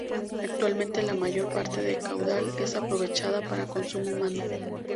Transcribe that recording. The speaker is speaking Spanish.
Actualmente, la mayor parte del caudal es aprovechada para consumo humano.